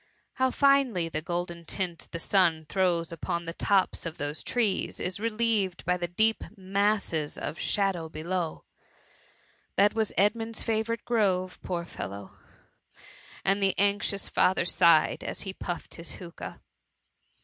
Ilow finely the golden tint the sun throws upon th0 tops of those troes, is relieved by the deep masses of shadow below I That was Ed QUmd^s favourite grove, poor fellow r and the anxious faUier sighed, as he puffed his hookah.